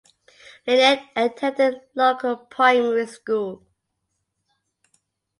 Lynette attended local primary school.